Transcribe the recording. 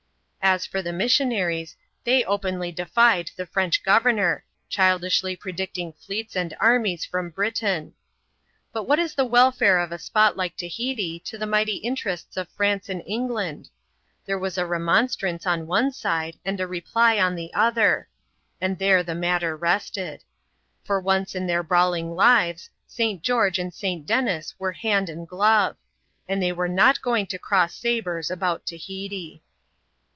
As for the missionaries, they op^ily defied the Frendi governor, childishly predicting fleets and armies from Britam. Bat what is the welfare of a spot like Tahiti, to the miglitf interests of France and England ? There was a renKmstraim on one side, and a reply on the other ; and there the matter rested. For once in thdr brawling lives, St. Greorge «&d St i>enis were hand and glove ; and they were not going to crois sabres about Tahiti.